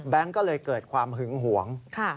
ก็เลยเกิดความหึงหวง